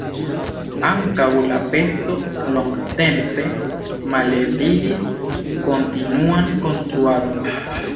Ankaŭ la pesto longtempe malebligis kontinuan konstruadon.